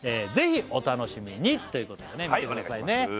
ぜひお楽しみに！ということで見てくださいね